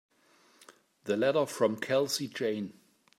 The letter from Kelsey Jane.